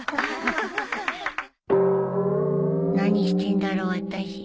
何してんだろうあたし